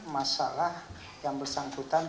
masalah yang bersangkutan